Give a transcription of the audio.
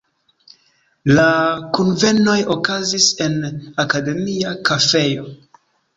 La kunvenoj okazis en Akademia kafejo.